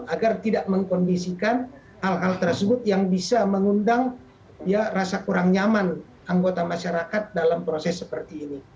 agar tidak mengkondisikan hal hal tersebut yang bisa mengundang rasa kurang nyaman anggota masyarakat dalam proses seperti ini